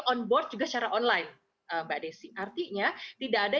onboard juga secara online mbak dixie artinya tidak ada